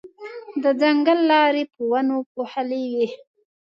د ځنګل لارې په ونو پوښلې وې.